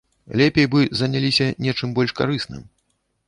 Лепей бы заняліся нечым больш карысным.